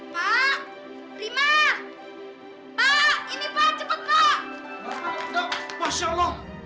pak rima pak ini pak cepet pak